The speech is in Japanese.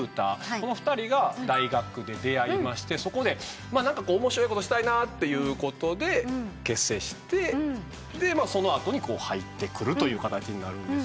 この２人が大学で出会いましてそこで面白いことしたいなっていうことで結成してその後に入ってくるという形になるんです。